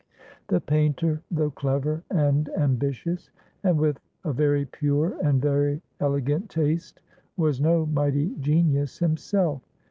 The painter, though clever and ambitious, and with a very pure and very elegant taste, was no mighty genius himself.